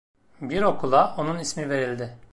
Bir okula onun ismi verildi.